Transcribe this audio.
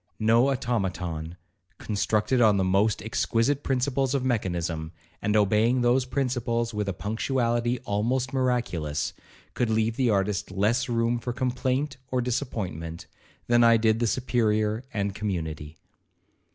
No automaton, constructed on the most exquisite principles of mechanism, and obeying those principles with a punctuality almost miraculous, could leave the artist less room for complaint or disappointment, than I did the Superior and community.